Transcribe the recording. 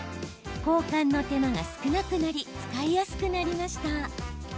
交換の手間が少なくなり使いやすくなりました。